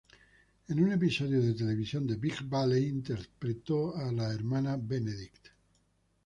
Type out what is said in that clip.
En un episodio de televisión, "The Big Valley", interpretó a la Hermana Benedict.